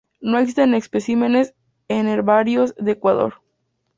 No existen especímenes en herbarios de Ecuador.